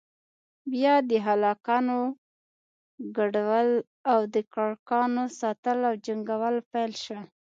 بيا د هلکانو گډول او د کرکانو ساتل او جنگول پيل سول.